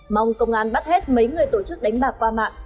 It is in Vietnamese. mong công an bắt hết mấy người tổ chức đánh bạc qua mạng